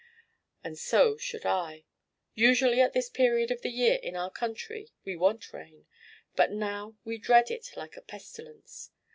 "And so should I. Usually at this period of the year in our country we want rain, but now we dread it like a pestilence.